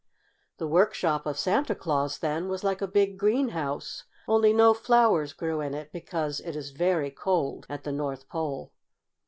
The workshop of Santa Claus, then, was like a big greenhouse, only no flowers grew in it because it is very cold at the North Pole.